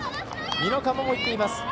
美濃加茂もいっています。